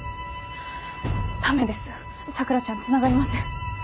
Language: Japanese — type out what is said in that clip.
ダメですさくらちゃんつながりません。